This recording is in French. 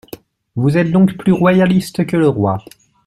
Vous êtes donc plus royaliste que le roi.